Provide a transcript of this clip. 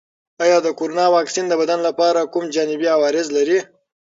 آیا د کرونا واکسین د بدن لپاره کوم جانبي عوارض لري؟